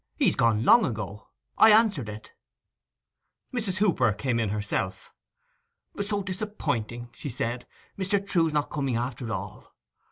He's gone long ago. I answered it.' Mrs. Hooper came in herself. 'So disappointing!' she said. 'Mr. Trewe not coming after all!